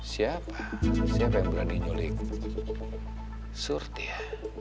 siapa siapa yang berani nyulik surti ya